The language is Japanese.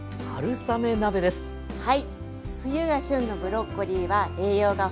はい。